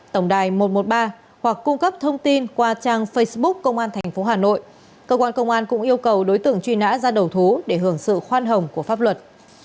tổng đài một trăm một mươi ba hoặc cung cấp thông tin qua trang facebook công an tp hà nội cơ quan công an cũng yêu cầu đối tượng truy nã ra đầu thú để hưởng sự khoan hồng của pháp luật